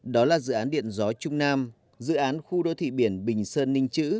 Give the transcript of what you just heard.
đó là dự án điện gió trung nam dự án khu đô thị biển bình sơn ninh chữ